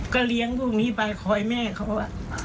ก็เลี้ยงพวกนี้ไปคอยแม่เขา